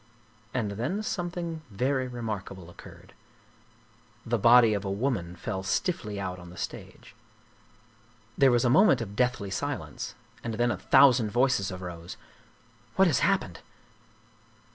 And then something very remarkable occurred the body 14 Gustav Mcyrink of a woman fell stiffly out on the stage. There was a mo ment of deathly silence and then a thousand voices arose: "What has happened?"